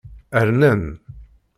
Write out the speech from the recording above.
Rnan.